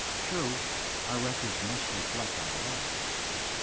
Tru^^_ our records must reflect our life.